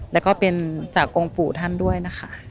แล้วก็เป็นจากองค์ปู่ท่านด้วยนะคะ